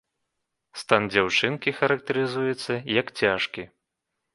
Стан дзяўчынкі характарызуецца як цяжкі.